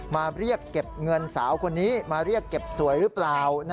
มาเรียกเก็บเงินสาวคนนี้มาเรียกเก็บสวยหรือเปล่า